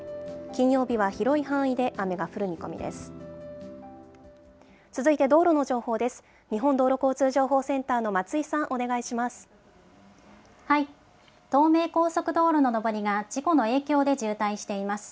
金曜日は広い範囲で雨が降る見込みです。